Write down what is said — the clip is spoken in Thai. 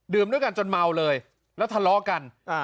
ด้วยกันจนเมาเลยแล้วทะเลาะกัน